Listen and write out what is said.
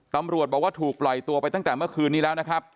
ตำรวจบอกว่าถูกปล่อยตัวไปตั้งแต่เมื่อคืนนี้แล้วนะครับ